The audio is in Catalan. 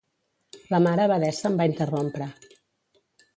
La mare abadessa em va interrompre.